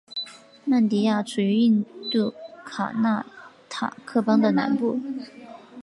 曼迪亚处于印度卡纳塔克邦的南部。